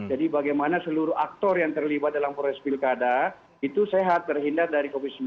jadi bagaimana seluruh aktor yang terlibat dalam proses pilkada itu sehat terhindar dari covid sembilan belas